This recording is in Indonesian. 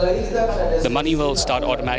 uang akan mulai mengembang